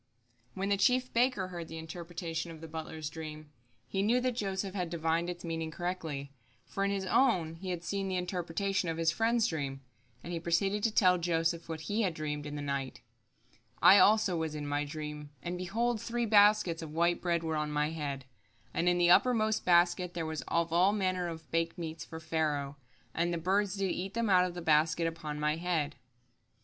When the chief baker heard the interpretation of the butler's dream, he knew that Joseph had divined its meaning correctly, for in his own he had seen the interpretation of his friend's dream, and he proceeded to tell Joseph what he had dreamed in the night: "I also was in my dream, and, behold, three baskets of white bread were on my head; and in the uppermost basket there was of all manner of bake meats for Pharaoh; and the birds did eat them out of the basket upon my head."